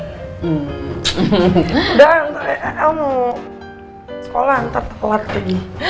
udah el mau sekolah ntar pelatih